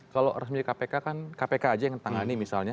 kalau resmi kpk kan kpk saja yang ditangani misalnya